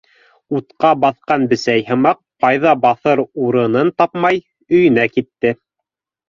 Утҡа баҫҡан бесәй һымаҡ, ҡайҙа баҫыр урынын тапмай, өйөнә китте.